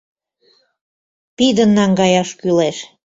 Пидын наҥгаяш кӱлеш!..